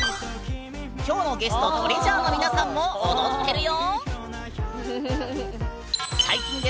きょうのゲストＴＲＥＡＳＵＲＥの皆さんも踊ってるよ！